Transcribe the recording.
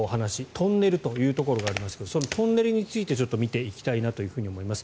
トンネルというところがありますがそのトンネルについて見ていきたいなと思います。